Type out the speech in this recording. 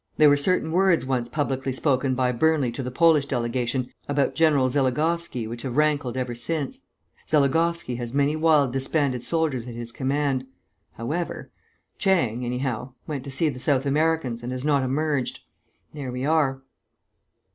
There were certain words once publicly spoken by Burnley to the Polish delegation about General Zeligowsky which have rankled ever since. Zeligowsky has many wild disbanded soldiers at his command.... However Chang, anyhow, went to see the South Americans, and has not emerged. There we are."